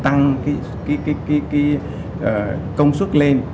tăng cái công suất lên